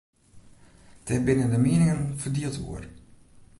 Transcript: Dêr binne de mieningen ferdield oer.